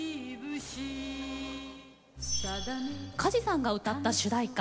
梶さんが歌った主題歌